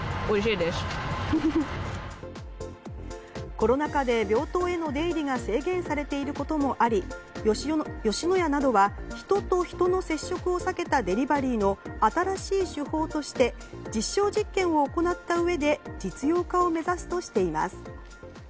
コロナ禍で病棟への出入りが制限されていることもあり吉野家などは、人と人の接触を避けたデリバリーの新しい手法として実証実験を行ったうえで実用化を目指すとしています。